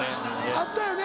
あったよね。